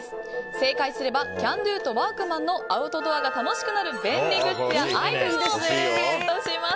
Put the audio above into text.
正解すればキャンドゥとワークマンのアウトドアが楽しくなる便利グッズやアイテムをプレゼントします。